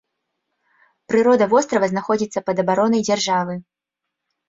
Прырода вострава знаходзіцца пад абаронай дзяржавы.